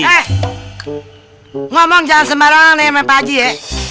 eh ngomong jangan sembarangan nih sama pak haji ya